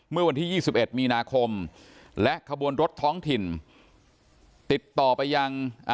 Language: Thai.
เมื่อวันที่๒๑มีนาคมและขบวนรถท้องถิ่นติดต่อไปยัง